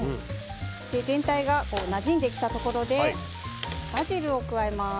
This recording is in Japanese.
全体がなじんできたところでバジルを加えます。